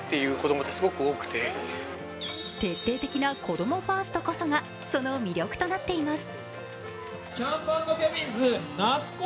徹底的な子供ファーストこそがその魅力となっています。